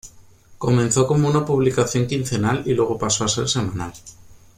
Comenzó como una publicación quincenal, y luego pasó a ser semanal.